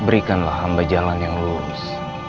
berikanlah hamba jalan yang lurus